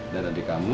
dan adik kamu